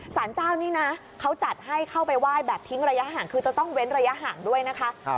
สารเจ้านี่นะเขาจัดให้เข้าไปไหว้แบบทิ้งระยะห่างคือจะต้องเว้นระยะห่างด้วยนะคะ